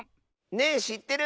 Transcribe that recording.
「ねぇしってる？」。